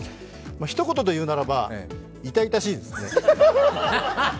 ひと言でいうならば、痛々しいですね。